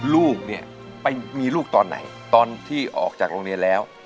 ลูกเนี่ยไปมีลูกตอนไหนตอนที่ออกจากโรงเรียนแล้ว